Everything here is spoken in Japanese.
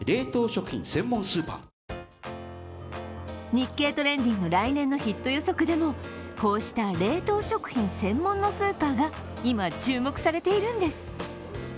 日経トレンディの来年のヒット予測でもこうした冷凍食品専門のスーパーが今、注目されているんです。